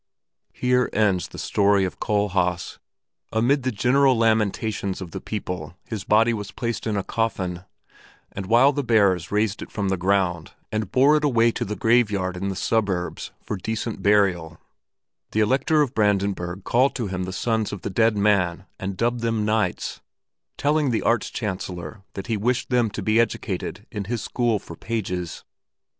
Here ends the story of Kohlhaas. Amid the general lamentations of the people his body was placed in a coffin, and while the bearers raised it from the ground and bore it away to the graveyard in the suburbs for decent burial, the Elector of Brandenburg called to him the sons of the dead man and dubbed them knights, telling the Arch Chancellor that he wished them to be educated in his school for pages.